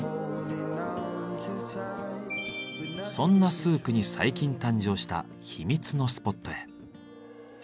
そんなスークに最近誕生した秘密のスポットへ。